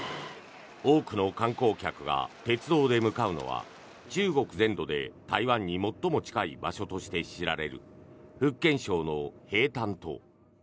多くの観光客が鉄道で向かうのは中国全土で台湾に最も近い場所として知られる福建省の平潭島。